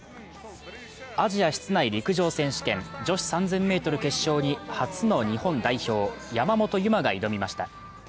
アジア室内陸上選手権女子３０００ｍ決勝に初の日本代表、山本有真が挑みました。